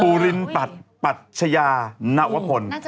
ปุริมปัตปัตชญานวะพล